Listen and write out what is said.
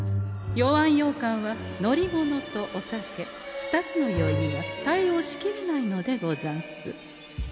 「酔わんようかん」は乗り物とお酒２つの酔いには対応しきれないのでござんす。